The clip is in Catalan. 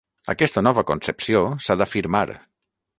Aquesta nova concepció s'ha d'afirmar.